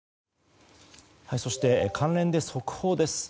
そして、関連で速報です。